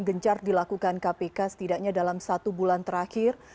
gencar dilakukan kpk setidaknya dalam satu bulan terakhir